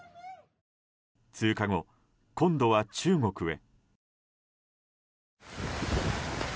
通過後、今度は中国へ。